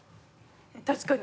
確かに。